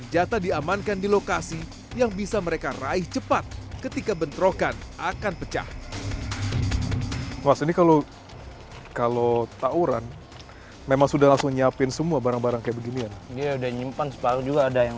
jadi kita chatting chattingan dulu